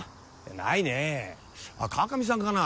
ないねぇあっ川上さんかな？